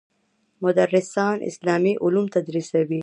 مدرسان اسلامي علوم تدریسوي.